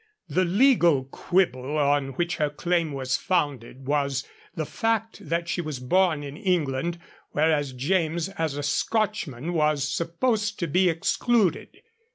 The legal quibble on which her claim was founded was the fact that she was born in England, whereas James as a Scotchman was supposed to be excluded.